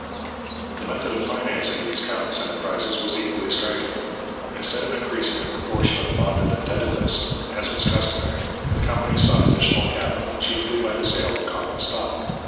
The method of financing these countless enterprises was equally striking. Instead of increasing the proportion of bonded indebtedness, as was customary, the company sought additional capital chiefly by the sale of common stock.